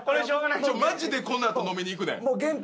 マジでこのあと飲みに行くねん！